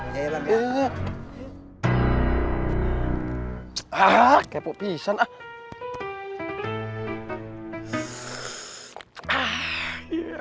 kamera kepo pisan ah